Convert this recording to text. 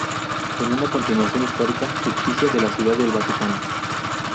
Es una continuación histórica ficticia de la Ciudad del Vaticano.